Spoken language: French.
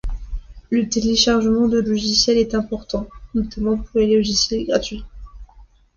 Le téléchargement de logiciels est important, notamment pour les logiciels gratuits.